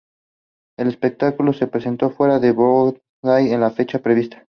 El espectáculo se presentó fuera de Broadway en la fecha prevista.